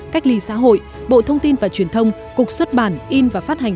cách ly xã hội bộ thông tin và truyền thông cục xuất bản in và phát hành